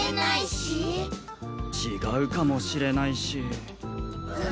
違うかもしれないし。